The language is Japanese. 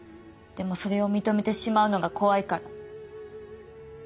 でもそれを認めてしまうのが怖いから。